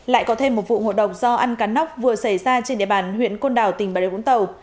lại có thêm một vụ ngộ độc do ăn cá nóc vừa xảy ra trên địa bàn huyện côn đảo tỉnh bà rịa vũng tàu